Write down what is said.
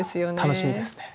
楽しみですね。